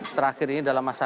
terakhir ini dalam masa